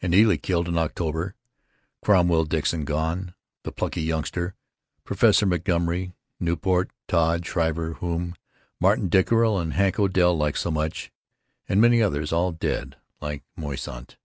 And Ely killed in October, Cromwell Dixon gone—the plucky youngster, Professor Montgomery, Nieuport, Todd Shriver whom Martin Dockerill and Hank Odell liked so much, and many others, all dead, like Moisant.